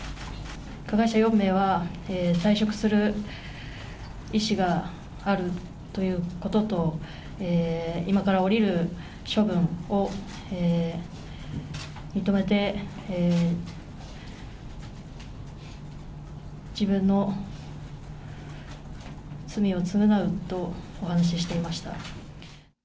加害者４名は、退職する意思があるということと、今から下りる処分を認めて、自分の罪を償うとお話ししていました。